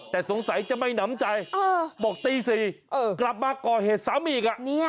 แต่สงสัยจะไม่หนำใจบอกตี๔กลับมาก่อเหตุซ้ำอีก